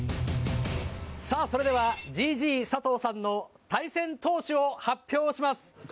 それではＧ．Ｇ．佐藤さんの対戦投手を発表します。